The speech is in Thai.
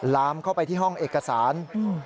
ลามเข้าไปที่ห้องเอกสาร